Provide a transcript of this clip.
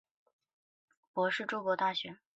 博士筑波大学。